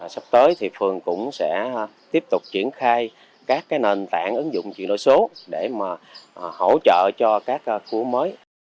sắp tới thì phường cũng sẽ tiếp tục triển khai các nền tảng ứng dụng chuyển đổi số để mà hỗ trợ cho các khu mới